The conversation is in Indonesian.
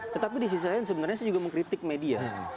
tetapi di sisi lain sebenarnya saya juga mengkritik media